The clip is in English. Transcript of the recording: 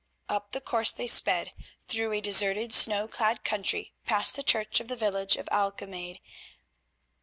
Up the course they sped, through a deserted snow clad country, past the church of the village of Alkemaade.